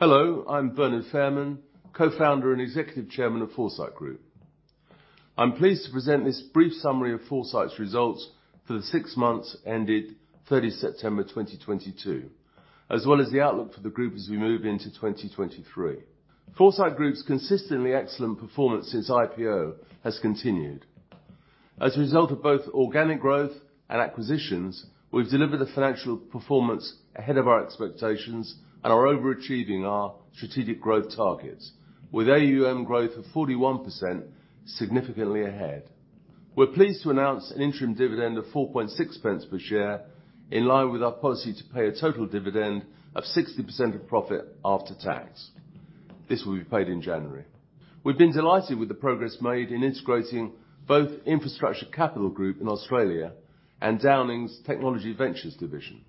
Hello, I'm Bernard Fairman, Co-founder and Executive Chairman of Foresight Group. I'm pleased to present this brief summary of Foresight's results for the six months ended 30 September 2022, as well as the outlook for the group as we move into 2023. Foresight Group's consistently excellent performance since IPO has continued. As a result of both organic growth and acquisitions, we've delivered a financial performance ahead of our expectations and are overachieving our strategic growth targets, with AUM growth of 41% significantly ahead. We're pleased to announce an interim dividend of 0.046 per share in line with our policy to pay a total dividend of 60% of profit after tax. This will be paid in January. We've been delighted with the progress made in integrating both Infrastructure Capital Group in Australia and Downing's technology ventures division.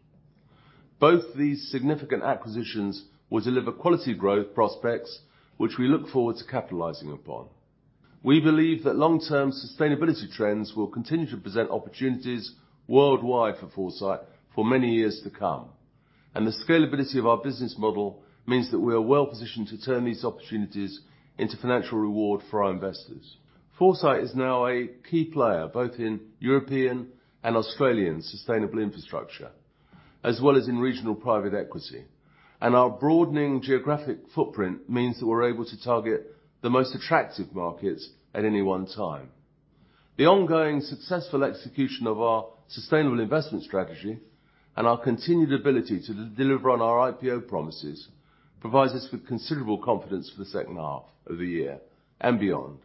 Both these significant acquisitions will deliver quality growth prospects, which we look forward to capitalizing upon. We believe that long-term sustainability trends will continue to present opportunities worldwide for Foresight for many years to come, and the scalability of our business model means that we are well-positioned to turn these opportunities into financial reward for our investors. Foresight is now a key player both in European and Australian sustainable infrastructure, as well as in regional private equity. Our broadening geographic footprint means that we're able to target the most attractive markets at any one time. The ongoing successful execution of our sustainable investment strategy and our continued ability to deliver on our IPO promises provides us with considerable confidence for the second half of the year and beyond.